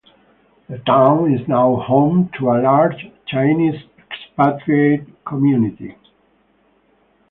The town is now home to a large Chinese expatriate community.